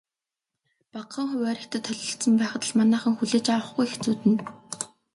Багахан хувиар Хятад холилдсон байхад л манайхан хүлээж авахгүй хэцүүднэ.